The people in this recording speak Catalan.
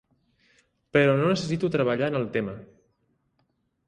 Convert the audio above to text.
Però no necessito treballar en el tema.